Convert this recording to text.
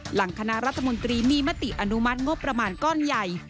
หลังคณะรัฐมนตรีมีมติอนุมัติงบประมาณก้อนใหญ่